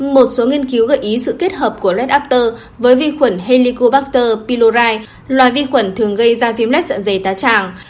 một số nghiên cứu gợi ý sự kết hợp của red after với vi khuẩn helicobacter pylori loài vi khuẩn thường gây da viêm lết dặn dày tá tràng